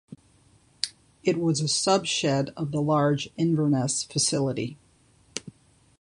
It was a sub-shed of the large Inverness facility.